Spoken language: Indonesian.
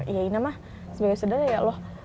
ya ina mah sebagai saudaranya ya loh